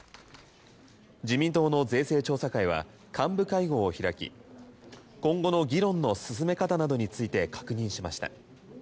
自民党の税制調査会は幹部会合を開き今後の議論の進め方などについて確認しました。